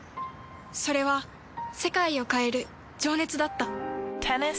それは世界を変える情熱だった。